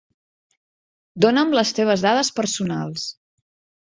Donam les teves dades personals.